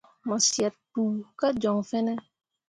Mo syet kpu kah joŋ fene ?